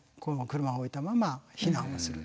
車を置いたまま避難をする。